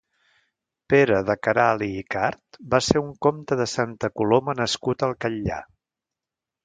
Pere de Queralt i Icart va ser un comte de Santa Coloma nascut al Catllar.